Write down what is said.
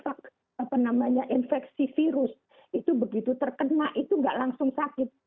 saya kira itu bisa terjadi karena memang infeksi virus itu begitu terkena itu nggak langsung sakit